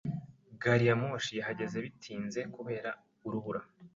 Gariyamoshi yahageze bitinze kubera urubura.